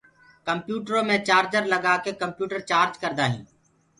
ڪمپيوٽرو مي چآرجر لگآ ڪي ڪمپيوٽر چآرج ڪردآ هين